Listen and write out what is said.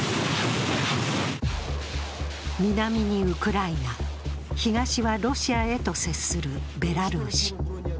南にウクライナ、東はロシアへと接するベラルーシ。